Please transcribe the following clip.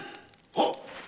はっ！